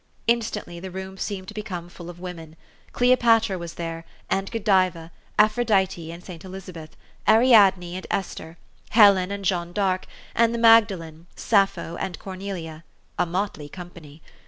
Instantly the room seemed to become full of women. Cleopatra was there, and Godiva, Aphrodite and St. Elizabeth, Ariadne and Esther, Helen and Jeanne d'Arc, and the Magda lene, Sappho, and Cornelia, a motley company.